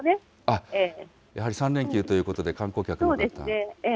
やはり３連休ということで、そうですね。